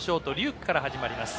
空から始まります。